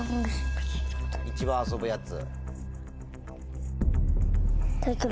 一番遊ぶやつ。